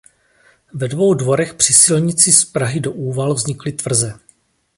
Ve dvou dvorech při silnici z Prahy do Úval vznikly tvrze.